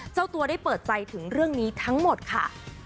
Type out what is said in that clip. เจ้าตัวได้เปิดใจถึงเรื่องนี้ทั้งหมดค่ะ